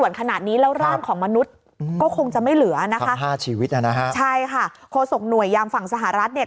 แล้วร่างของมนุษย์ก็คงจะไม่เหลือนะคะใช่ค่ะโฆษกหน่วยยามฝั่งสหรัฐเนี่ย